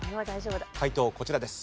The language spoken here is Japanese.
解答こちらです。